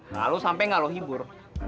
lalu sampai nggak lo hibur